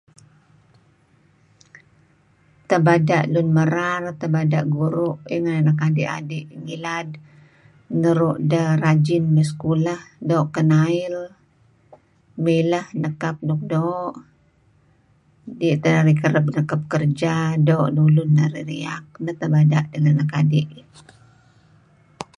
Tebada' lun merar, tebada' guru' inan nuk adi'-adi' ngilad nuru' dah rajin may sekolah, doo' kenail milah nekap nuk doo' dih teh narih kereb nekap kerja doo' neh ulun narih riak. Nah tebada' dulun ngilad.